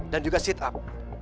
dan juga sit up